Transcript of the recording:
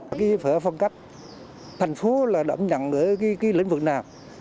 cái phở phong cách thành phố là đậm nhận đến cái lĩnh vực nào